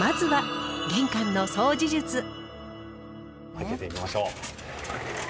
開けてみましょう。